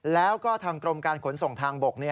แล้วก็ทางกรมการขนส่งทางบก